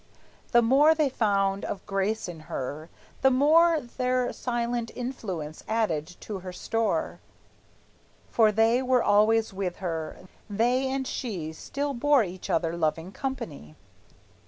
The more they found of grace in her, the more Their silent influence added to her store; For they were always with her; they and she Still bore each other loving company.